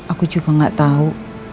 aku juga gak tau